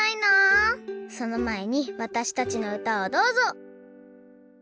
そのまえにわたしたちのうたをどうぞ！